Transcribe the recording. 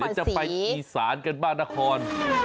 เดี๋ยวจะไปอีสานกันบ้างนคร